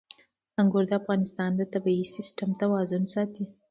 انګور د افغانستان د طبعي سیسټم توازن ساتي.